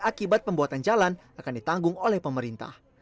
akibat pembuatan jalan akan ditanggung oleh pemerintah